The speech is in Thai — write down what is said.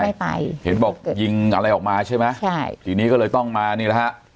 ไม่ไปเห็นบอกยิงอะไรออกมาใช่ไหมใช่ทีนี้ก็เลยต้องมานี่แหละฮะ